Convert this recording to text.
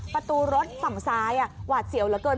ประตูรถฝั่งซ้ายหวาดเสียวเหลือเกิน